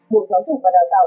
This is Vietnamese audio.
bộ giáo dục và đào tạo